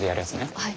はい。